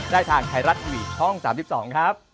ได้ทางไทยรัฐทีวีช่อง๓๒ครับ